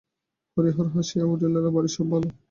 হরিহর হাসিয়া বলিল, বাড়ির সব ভালো?